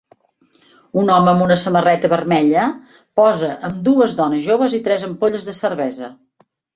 Un home amb una samarreta vermella posa amb dues dones joves i tres ampolles de cervesa.